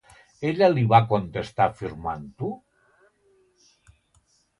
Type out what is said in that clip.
Ella li va contestar afirmant-ho?